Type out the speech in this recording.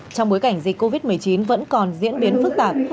trong bối cảnh dịch covid một mươi chín vẫn còn diễn biến phức tạp